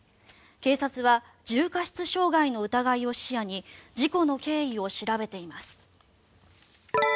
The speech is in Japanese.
警察は重過失傷害の疑いを視野に事故の経緯を調べています。